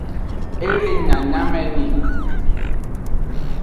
E le nyanyameni.